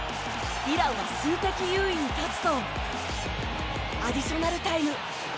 イランは数的優位に立つとアディショナルタイム。